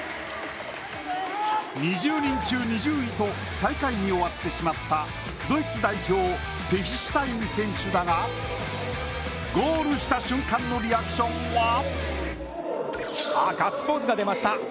２０人中２０位と最下位に終わってしまったドイツ代表ペヒシュタイン選手だがゴールした瞬間のリアクションはガッツポーズが出ました。